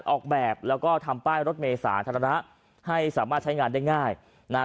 ออกแบบแล้วก็ทำป้ายรถเมย์สาธารณะให้สามารถใช้งานได้ง่ายนะฮะ